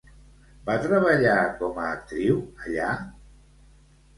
Va treballar com a actriu allà?